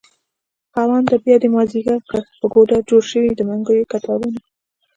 خاونده بيادی مازد يګر کړ په ګودر جوړشو دمنګيو کتارونه